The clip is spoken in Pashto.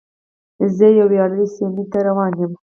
زه یوې ویاړلې سیمې ته روان یم.